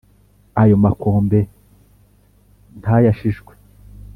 ayo makombe nta yashishwe;